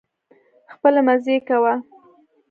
خپلې مزې کوه